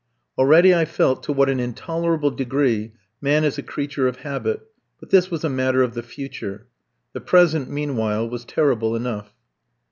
Already I felt to what an intolerable degree man is a creature of habit, but this was a matter of the future. The present, meanwhile, was terrible enough.